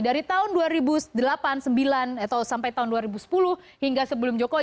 dari tahun dua ribu delapan puluh sembilan atau sampai tahun dua ribu sepuluh hingga sebelum jokowi